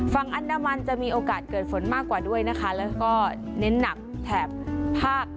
ฝั่งอันดามันจะมีโอกาสเกิดฝนมากกว่าด้วยนะคะแล้วก็เน้นหนักแถบภาค